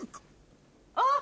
あっ！